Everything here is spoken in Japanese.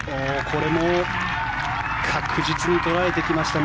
これも確実に捉えてきました